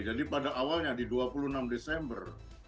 pada awalnya di dua puluh enam desember